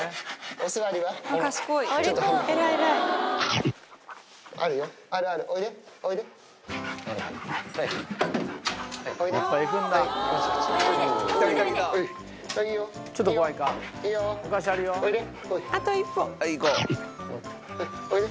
おいで。